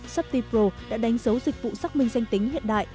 shope pro đã đánh dấu dịch vụ xác minh danh tính hiện đại